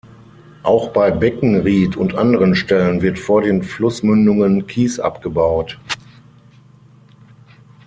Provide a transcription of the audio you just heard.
Auch bei Beckenried und anderen Stellen wird vor den Flussmündungen Kies abgebaut.